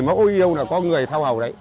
mẫu yêu là có người thao hầu đấy